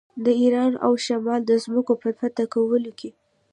د ایران او شام د ځمکو په فتح کولو کې.